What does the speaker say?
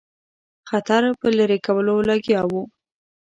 خطر په لیري کولو لګیا وو.